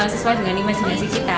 sesuai dengan keinginan kita